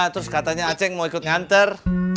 terus katanya aceh yang mau ikut ngantar